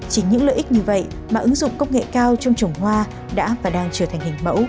chính những lợi ích như vậy mà ứng dụng công nghệ cao trong trồng hoa đã và đang trở thành hình mẫu